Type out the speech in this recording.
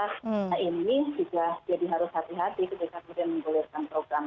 nah ini juga jadi harus hati hati ketika kemudian menggulirkan program